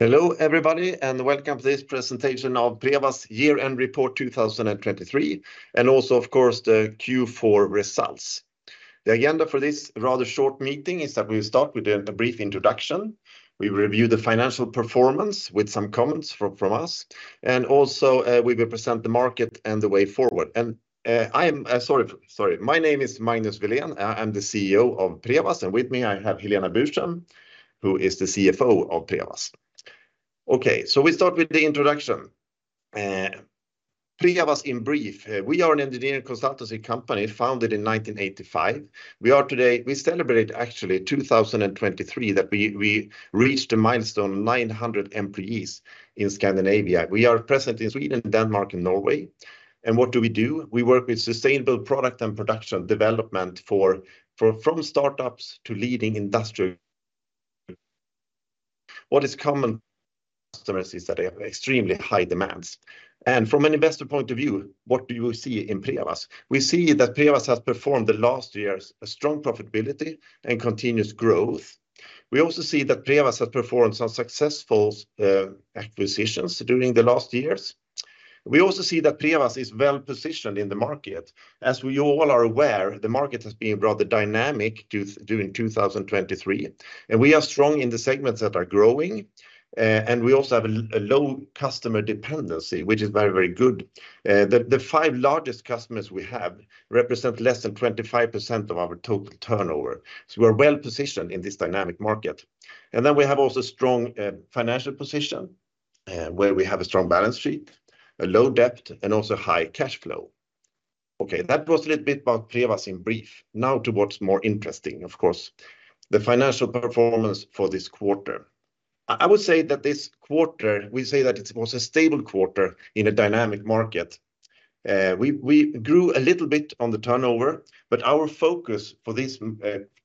Hello everybody and welcome to this presentation of Prevas Year End Report 2023 and also, of course, the Q4 results. The agenda for this rather short meeting is that we will start with a brief introduction, we will review the financial performance with some comments from us, and also we will present the market and the way forward. I am, sorry, sorry, my name is Magnus Welén, I'm the CEO of Prevas, and with me I have Helena Burström, who is the CFO of Prevas. Okay, so we start with the introduction. Prevas in brief, we are an engineering consultancy company founded in 1985. We are today, we celebrate actually 2023 that we reached the milestone of 900 employees in Scandinavia. We are present in Sweden, Denmark, and Norway. What do we do? We work with sustainable product and production development from startups to leading industries. What is common for customers is that they have extremely high demands. From an investor point of view, what do you see in Prevas? We see that Prevas has performed the last years strong profitability and continuous growth. We also see that Prevas has performed some successful acquisitions during the last years. We also see that Prevas is well positioned in the market. As we all are aware, the market has been rather dynamic during 2023, and we are strong in the segments that are growing, and we also have a low customer dependency, which is very, very good. The five largest customers we have represent less than 25% of our total turnover. We are well positioned in this dynamic market. Then we have also a strong financial position where we have a strong balance sheet, a low debt, and also high cash flow. Okay, that was a little bit about Prevas in brief. Now towards more interesting, of course, the financial performance for this quarter. I would say that this quarter, we say that it was a stable quarter in a dynamic market. We grew a little bit on the turnover, but our focus for this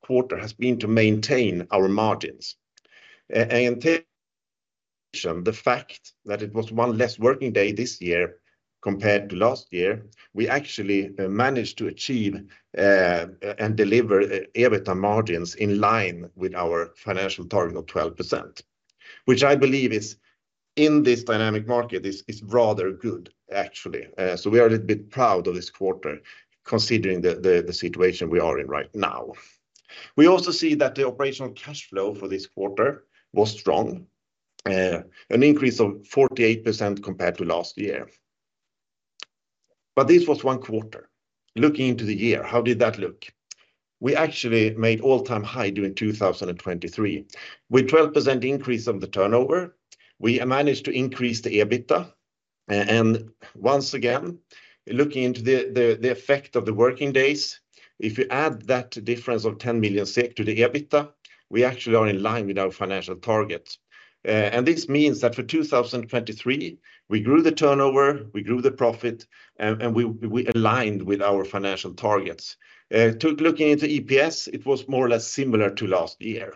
quarter has been to maintain our margins. And the fact that it was one less working day this year compared to last year, we actually managed to achieve and deliver EBITDA margins in line with our financial target of 12%, which I believe is in this dynamic market is rather good, actually. So we are a little bit proud of this quarter considering the situation we are in right now. We also see that the operational cash flow for this quarter was strong, an increase of 48% compared to last year. But this was one quarter. Looking into the year, how did that look? We actually made all-time high during 2023 with 12% increase of the turnover. We managed to increase the EBITDA. Once again, looking into the effect of the working days, if you add that difference of 10 million SEK to the EBITDA, we actually are in line with our financial targets. This means that for 2023, we grew the turnover, we grew the profit, and we aligned with our financial targets. Looking into EPS, it was more or less similar to last year.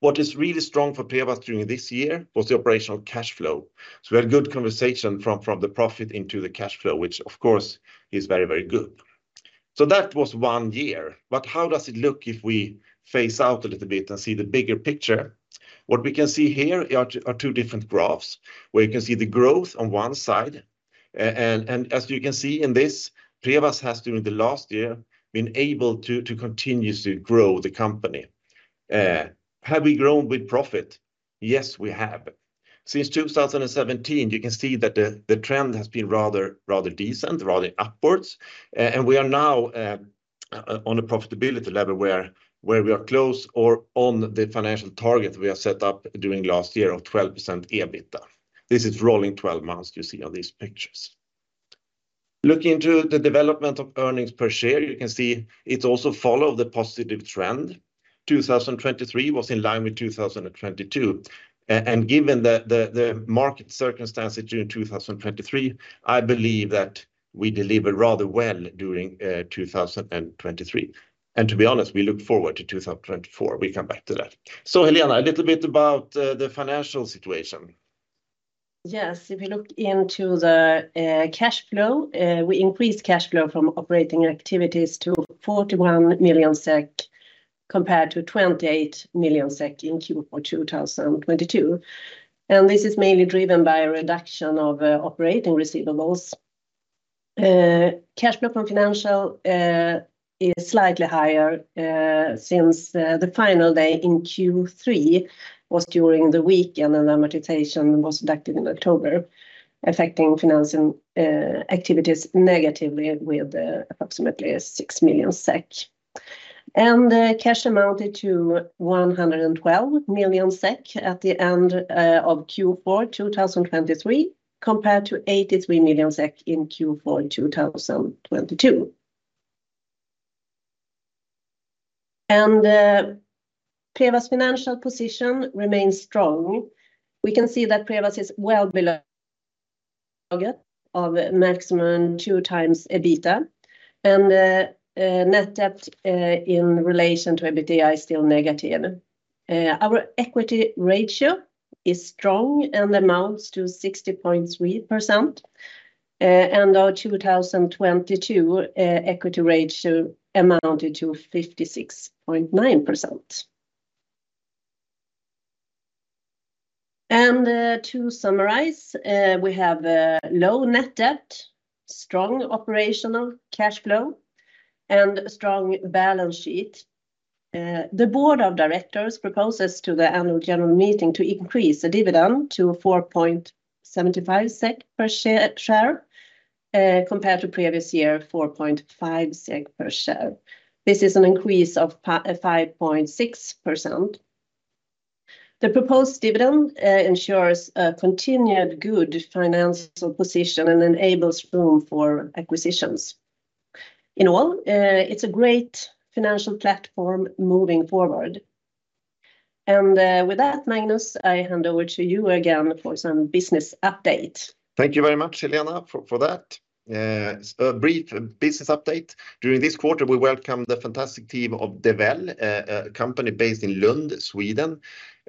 What is really strong for Prevas during this year was the operational cash flow. So we had good conversion from the profit into the cash flow, which of course is very, very good. So that was one year. But how does it look if we zoom out a little bit and see the bigger picture? What we can see here are two different graphs where you can see the growth on one side. As you can see in this, Prevas has during the last year been able to continuously grow the company. Have we grown with profit? Yes, we have. Since 2017, you can see that the trend has been rather decent, rather upwards. We are now on a profitability level where we are close or on the financial target we have set up during last year of 12% EBITDA. This is rolling 12 months you see on these pictures. Looking into the development of earnings per share, you can see it also followed the positive trend. 2023 was in line with 2022. Given the market circumstances during 2023, I believe that we delivered rather well during 2023. To be honest, we look forward to 2024. We come back to that. Helena, a little bit about the financial situation. Yes, if we look into the cash flow, we increased cash flow from operating activities to 41 million SEK compared to 28 million SEK in Q4 2022. And this is mainly driven by a reduction of operating receivables. Cash flow from financing is slightly higher since the final day in Q3 was during the weekend and amortization was reduced in October, affecting financing activities negatively with approximately 6 million SEK. And cash amounted to 112 million SEK at the end of Q4 2023 compared to 83 million SEK in Q4 2022. And Prevas' financial position remains strong. We can see that Prevas is well below target of maximum 2x EBITDA. And net debt in relation to EBITDA is still negative. Our equity ratio is strong and amounts to 60.3%. And our 2022 equity ratio amounted to 56.9%. To summarize, we have low net debt, strong operational cash flow, and strong balance sheet. The board of directors proposes to the annual general meeting to increase the dividend to 4.75 SEK per share compared to previous year 4.5 SEK per share. This is an increase of 5.6%. The proposed dividend ensures a continued good financial position and enables room for acquisitions. In all, it's a great financial platform moving forward. With that, Magnus, I hand over to you again for some business update. Thank you very much, Helena, for that. A brief business update. During this quarter, we welcomed the fantastic team of DVel, a company based in Lund, Sweden,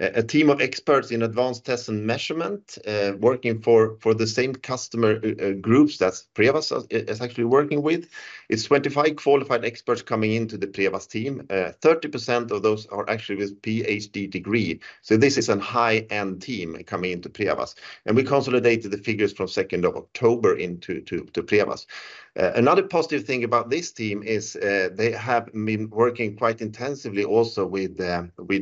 a team of experts in advanced tests and measurement working for the same customer groups that Prevas is actually working with. It's 25 qualified experts coming into the Prevas team. 30% of those are actually with a PhD degree. So this is a high-end team coming into Prevas. And we consolidated the figures from 2nd of October into Prevas. Another positive thing about this team is they have been working quite intensively also with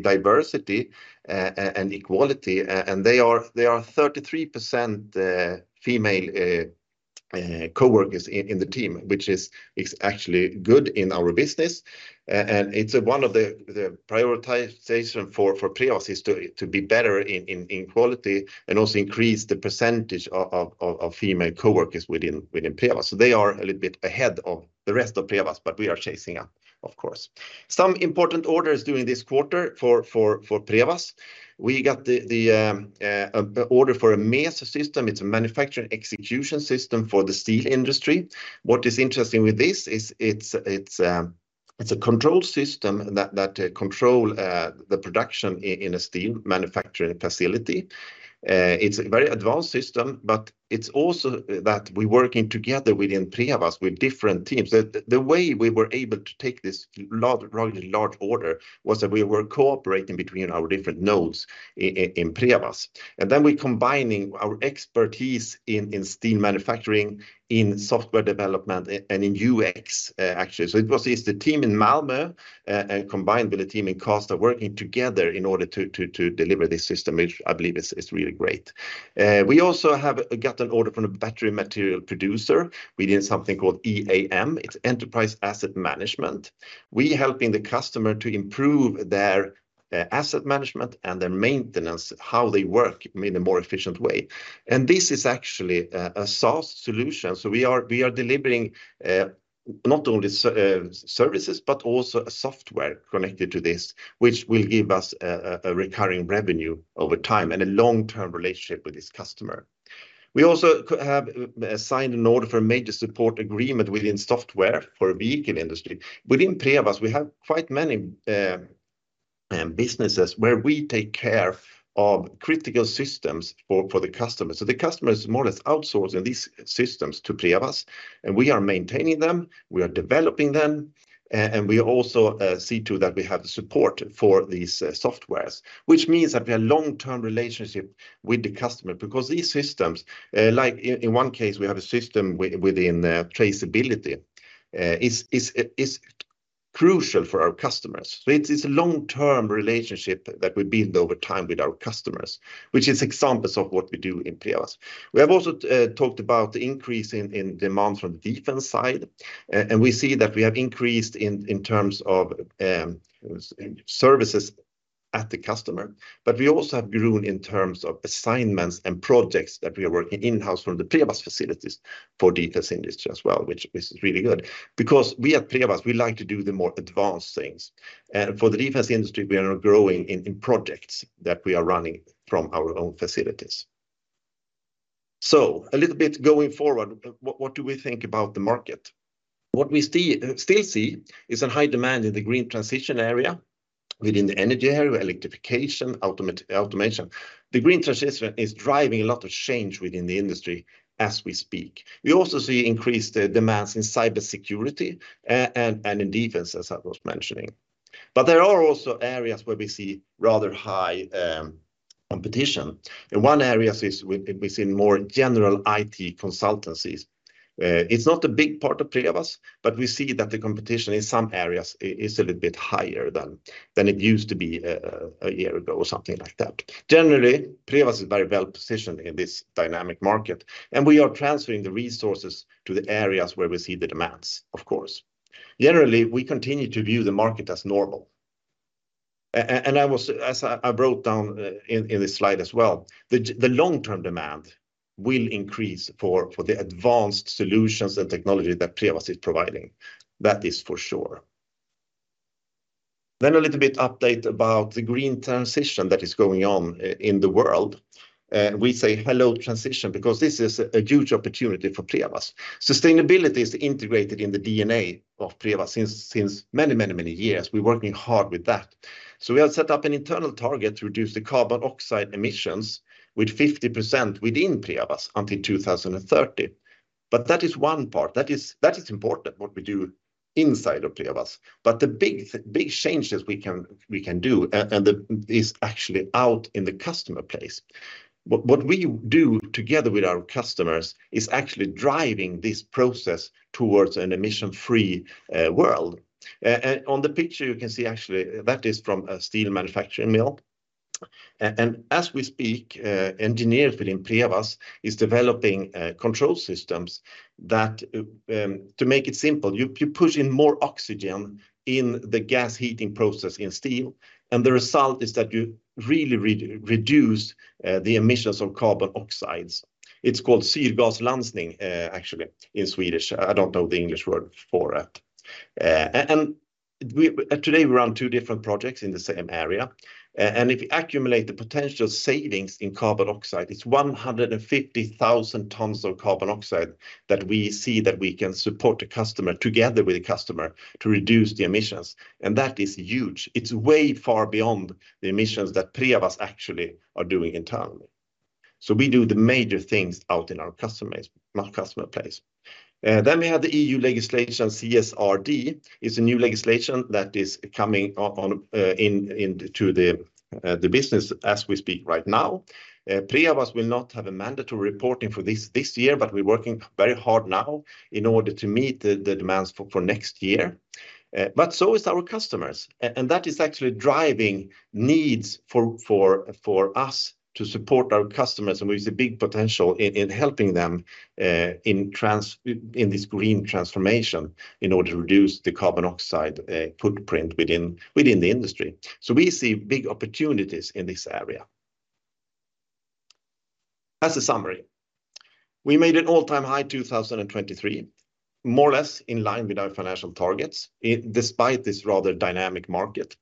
diversity and equality. And they are 33% female coworkers in the team, which is actually good in our business. And it's one of the prioritizations for Prevas is to be better in quality and also increase the percentage of female coworkers within Prevas. So they are a little bit ahead of the rest of Prevas, but we are chasing up, of course. Some important orders during this quarter for Prevas. We got the order for a MES system. It's a manufacturing execution system for the steel industry. What is interesting with this is it's a control system that controls the production in a steel manufacturing facility. It's a very advanced system, but it's also that we're working together within Prevas with different teams. The way we were able to take this largely large order was that we were cooperating between our different nodes in Prevas. And then we're combining our expertise in steel manufacturing, in software development, and in UX, actually. So it was the team in Malmö combined with the team in Karlstad working together in order to deliver this system, which I believe is really great. We also have gotten an order from a battery material producer within something called EAM. It's Enterprise Asset Management. We're helping the customer to improve their asset management and their maintenance, how they work in a more efficient way. And this is actually a SaaS solution. So we are delivering not only services, but also software connected to this, which will give us a recurring revenue over time and a long-term relationship with this customer. We also have signed an order for a major support agreement within software for the vehicle industry. Within Prevas, we have quite many businesses where we take care of critical systems for the customer. So the customer is more or less outsourcing these systems to Prevas. And we are maintaining them. We are developing them. And we also see too that we have support for these softwares, which means that we have a long-term relationship with the customer because these systems, like in one case, we have a system within traceability, is crucial for our customers. So it's a long-term relationship that we've built over time with our customers, which is examples of what we do in Prevas. We have also talked about the increase in demand from the defense side. And we see that we have increased in terms of services at the customer. But we also have grown in terms of assignments and projects that we are working in-house from the Prevas facilities for the defense industry as well, which is really good because we at Prevas, we like to do the more advanced things. And for the defense industry, we are growing in projects that we are running from our own facilities. So a little bit going forward, what do we think about the market? What we still see is a high demand in the green transition area within the energy area, electrification, automation. The green transition is driving a lot of change within the industry as we speak. We also see increased demands in cybersecurity and in defense, as I was mentioning. But there are also areas where we see rather high competition. And one area is within more general IT consultancies. It's not a big part of Prevas, but we see that the competition in some areas is a little bit higher than it used to be a year ago or something like that. Generally, Prevas is very well positioned in this dynamic market. And we are transferring the resources to the areas where we see the demands, of course. Generally, we continue to view the market as normal. As I wrote down in this slide as well, the long-term demand will increase for the advanced solutions and technology that Prevas is providing. That is for sure. Then a little bit update about the green transition that is going on in the world. We see the Hello transition because this is a huge opportunity for Prevas. Sustainability is integrated in the DNA of Prevas since many, many, many years. We're working hard with that. So we have set up an internal target to reduce the carbon dioxide emissions with 50% within Prevas until 2030. But that is one part. That is important what we do inside of Prevas. But the big changes we can do is actually out in the customer place. What we do together with our customers is actually driving this process towards an emission-free world. On the picture, you can see actually that is from a steel manufacturing mill. As we speak, engineers within Prevas are developing control systems that, to make it simple, you push in more oxygen in the gas heating process in steel. The result is that you really reduce the emissions of carbon oxides. It's called syrgaslansning, actually, in Swedish. I don't know the English word for it. Today we run two different projects in the same area. If we accumulate the potential savings in carbon oxide, it's 150,000 tons of carbon oxide that we see that we can support the customer together with the customer to reduce the emissions. That is huge. It's way far beyond the emissions that Prevas actually are doing internally. So we do the major things out in our customer place. Then we have the EU legislation CSRD. It's a new legislation that is coming into the business as we speak right now. Prevas will not have a mandatory reporting for this year, but we're working very hard now in order to meet the demands for next year. But so is our customers. And that is actually driving needs for us to support our customers. And we see big potential in helping them in this green transformation in order to reduce the carbon oxide footprint within the industry. So we see big opportunities in this area. As a summary, we made an all-time high in 2023, more or less in line with our financial targets, despite this rather dynamic market.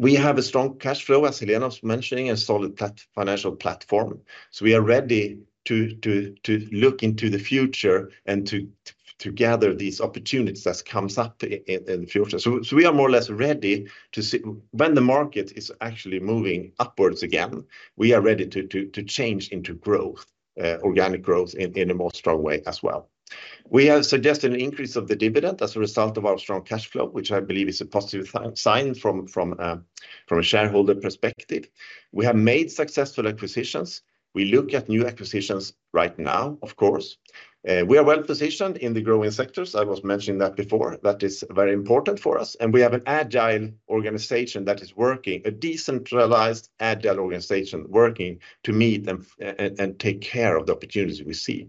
We have a strong cash flow, as Helena was mentioning, a solid financial platform. So we are ready to look into the future and to gather these opportunities that come up in the future. So we are more or less ready to see when the market is actually moving upwards again, we are ready to change into organic growth in a more strong way as well. We have suggested an increase of the dividend as a result of our strong cash flow, which I believe is a positive sign from a shareholder perspective. We have made successful acquisitions. We look at new acquisitions right now, of course. We are well positioned in the growing sectors. I was mentioning that before. That is very important for us. And we have an agile organization that is working, a decentralized agile organization working to meet and take care of the opportunities we see.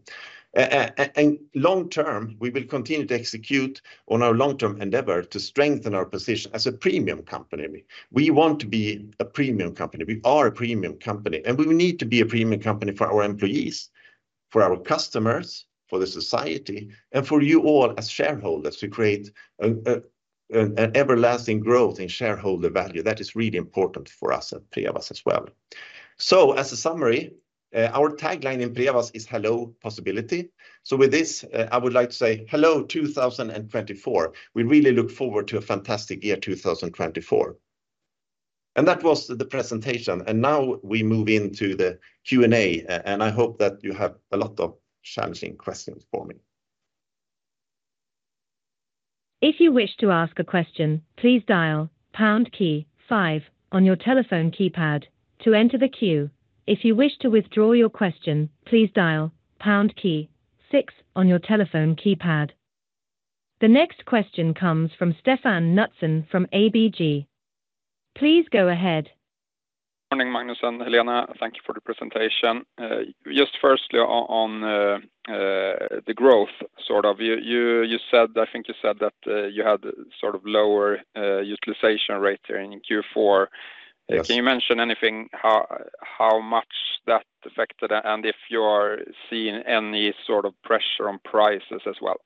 And long-term, we will continue to execute on our long-term endeavor to strengthen our position as a premium company. We want to be a premium company. We are a premium company. We need to be a premium company for our employees, for our customers, for the society, and for you all as shareholders to create an everlasting growth in shareholder value. That is really important for us at Prevas as well. As a summary, our tagline in Prevas is "Hello Possibility." With this, I would like to say hello 2024. We really look forward to a fantastic year 2024. That was the presentation. Now we move into the Q&A. I hope that you have a lot of challenging questions for me. If you wish to ask a question, please dial pound key five on your telephone keypad to enter the queue. If you wish to withdraw your question, please dial pound key six on your telephone keypad. The next question comes from Stefan Knutsson from ABG. Please go ahead. Good morning, Magnus and Helena. Thank you for the presentation. Just firstly on the growth, sort of, you said, I think you said that you had sort of lower utilization rate here in Q4. Can you mention anything how much that affected and if you are seeing any sort of pressure on prices as well?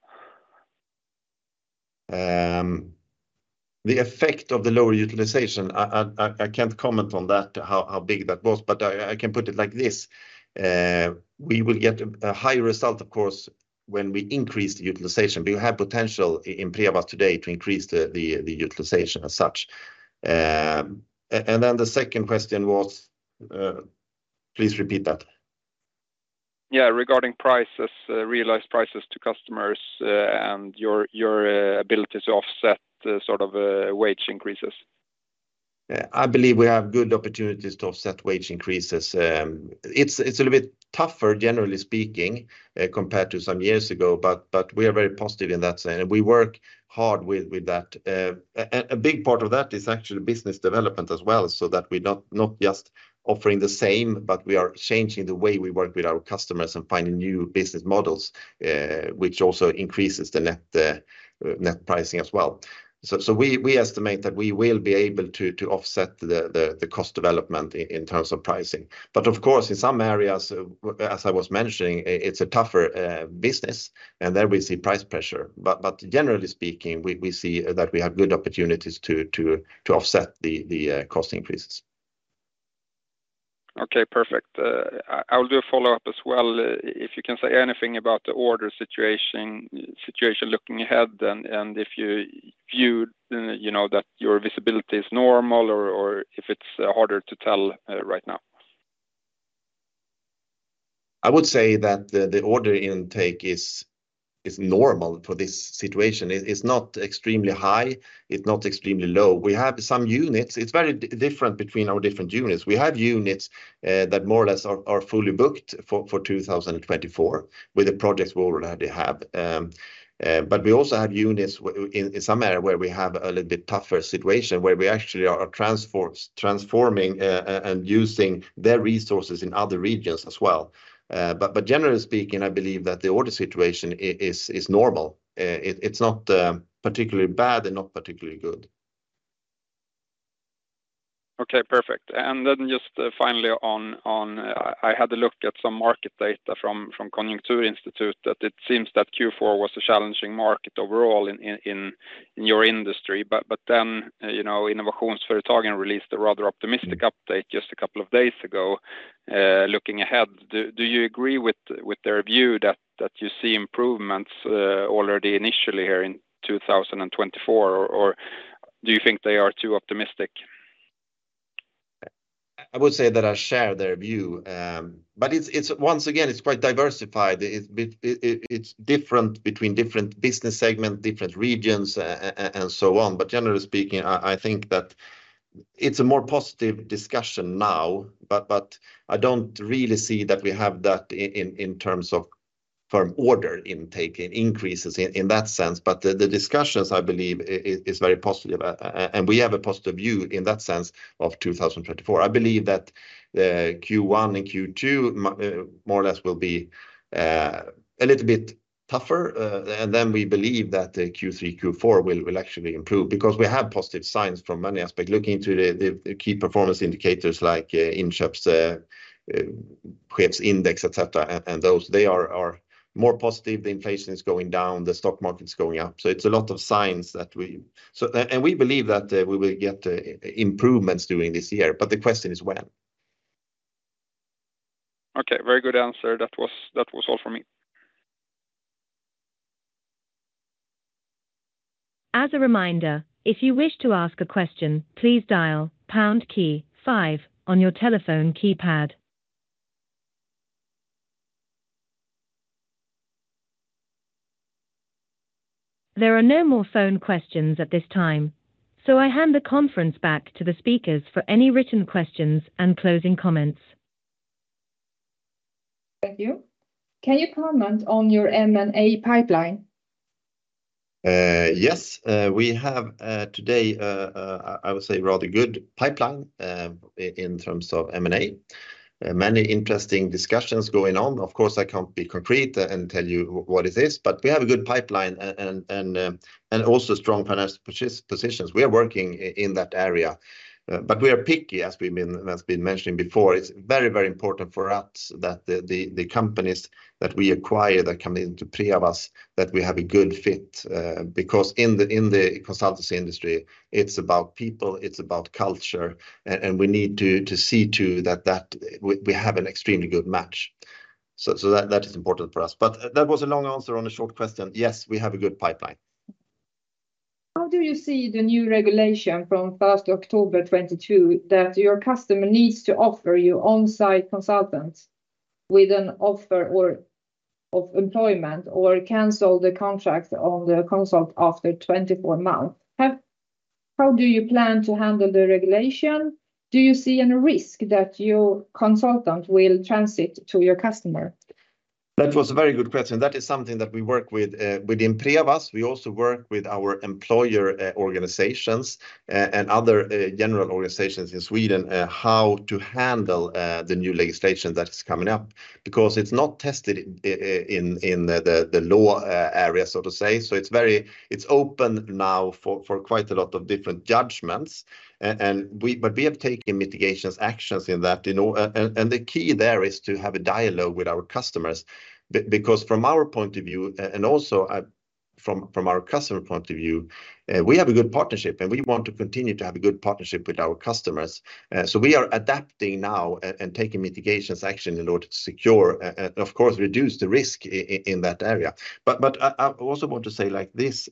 The effect of the lower utilization, I can't comment on that, how big that was. But I can put it like this. We will get a higher result, of course, when we increase the utilization. We have potential in Prevas today to increase the utilization as such. And then the second question was, please repeat that. Yeah, regarding prices, realized prices to customers and your ability to offset sort of wage increases. I believe we have good opportunities to offset wage increases. It's a little bit tougher, generally speaking, compared to some years ago. We are very positive in that sense. We work hard with that. A big part of that is actually business development as well so that we're not just offering the same, but we are changing the way we work with our customers and finding new business models, which also increases the net pricing as well. We estimate that we will be able to offset the cost development in terms of pricing. Of course, in some areas, as I was mentioning, it's a tougher business. There we see price pressure. Generally speaking, we see that we have good opportunities to offset the cost increases. Okay, perfect. I will do a follow-up as well. If you can say anything about the order situation looking ahead and if you view that your visibility is normal or if it's harder to tell right now? I would say that the order intake is normal for this situation. It's not extremely high. It's not extremely low. We have some units. It's very different between our different units. We have units that more or less are fully booked for 2024 with the projects we already have. But we also have units in some area where we have a little bit tougher situation where we actually are transforming and using their resources in other regions as well. But generally speaking, I believe that the order situation is normal. It's not particularly bad and not particularly good. Okay, perfect. And then just finally on, I had a look at some market data from Konjunkturinstitutet. It seems that Q4 was a challenging market overall in your industry. But then Innovationsföretagen released a rather optimistic update just a couple of days ago. Looking ahead, do you agree with their view that you see improvements already initially here in 2024, or do you think they are too optimistic? I would say that I share their view. But once again, it's quite diversified. It's different between different business segments, different regions, and so on. But generally speaking, I think that it's a more positive discussion now. But I don't really see that we have that in terms of firm order intake, increases in that sense. But the discussions, I believe, are very positive. And we have a positive view in that sense of 2024. I believe that Q1 and Q2 more or less will be a little bit tougher. And then we believe that Q3, Q4 will actually improve because we have positive signs from many aspects. Looking into the key performance indicators like Inköpschefsindex, etc., and those, they are more positive. The inflation is going down. The stock market is going up. It's a lot of signs that we believe that we will get improvements during this year. But the question is when. Okay, very good answer. That was all from me. As a reminder, if you wish to ask a question, please dial pound key five on your telephone keypad. There are no more phone questions at this time. So I hand the conference back to the speakers for any written questions and closing comments. Thank you. Can you comment on your M&A pipeline? Yes. We have today, I would say, rather good pipeline in terms of M&A. Many interesting discussions going on. Of course, I can't be concrete and tell you what it is. We have a good pipeline and also strong financial positions. We are working in that area. We are picky, as we've been mentioning before. It's very, very important for us that the companies that we acquire that come into Prevas that we have a good fit because in the consultancy industry, it's about people. It's about culture. We need to see too that we have an extremely good match. So that is important for us. That was a long answer on a short question. Yes, we have a good pipeline. How do you see the new regulation from 1st October 2022 that your customer needs to offer your on-site consultants an offer of employment or cancel the contract on the consultant after 24 months? How do you plan to handle the regulation? Do you see any risk that your consultant will transition to your customer? That was a very good question. That is something that we work with in Prevas. We also work with our employer organizations and other general organizations in Sweden how to handle the new legislation that is coming up because it's not tested in the law area, so to say. So it's open now for quite a lot of different judgments. But we have taken mitigations actions in that. And the key there is to have a dialogue with our customers because from our point of view, and also from our customer point of view, we have a good partnership. And we want to continue to have a good partnership with our customers. So we are adapting now and taking mitigations action in order to secure, of course, reduce the risk in that area. But I also want to say like this,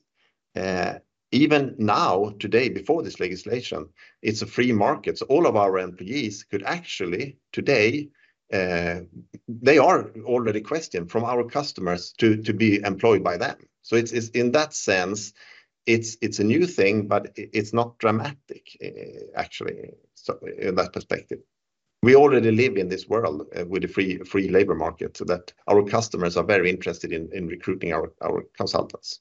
even now, today, before this legislation, it's a free market. So all of our employees could actually, today, they are already a question from our customers to be employed by them. So in that sense, it's a new thing, but it's not dramatic, actually, in that perspective. We already live in this world with a free labor market so that our customers are very interested in recruiting our consultants.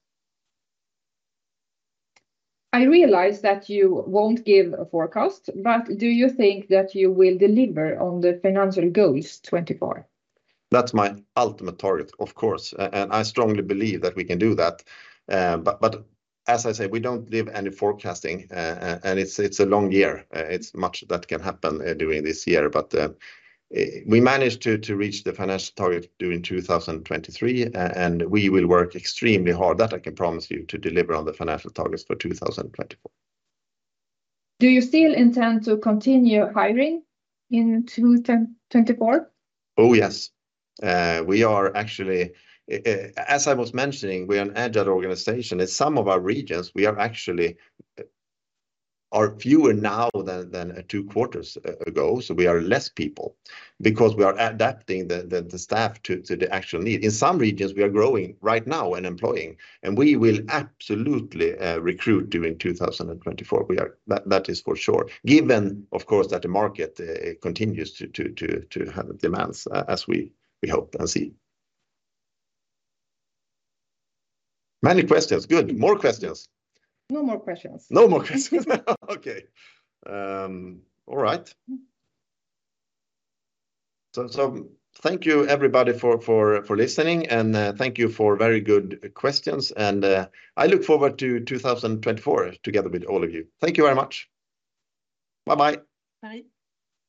I realize that you won't give a forecast, but do you think that you will deliver on the financial goals 2024? That's my ultimate target, of course. I strongly believe that we can do that. But as I say, we don't live any forecasting. It's a long year. It's much that can happen during this year. We managed to reach the financial target during 2023. We will work extremely hard. That I can promise you to deliver on the financial targets for 2024. Do you still intend to continue hiring in 2024? Oh, yes. We are actually, as I was mentioning, we are an agile organization. In some of our regions, we are actually fewer now than two quarters ago. So we are less people because we are adapting the staff to the actual need. In some regions, we are growing right now and employing. And we will absolutely recruit during 2024. That is for sure, given, of course, that the market continues to have demands as we hope and see. Many questions. Good. More questions. No more questions. No more questions. Okay. All right. Thank you, everybody, for listening. Thank you for very good questions. I look forward to 2024 together with all of you. Thank you very much. Bye-bye. Bye.